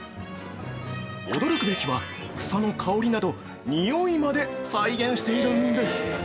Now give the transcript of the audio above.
驚くべきは草の香りなど匂いまで再現しているんです！